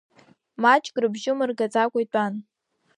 Маҷк рыбжьы мыргаӡакәа итәан.